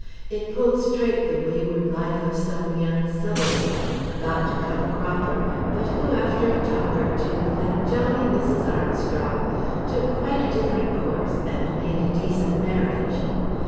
It pulled straight the wayward life of some young subaltern, about to come a cropper, but who after a talk or two with that jolly Mrs. Armstrong took quite a different course and made a decent marriage.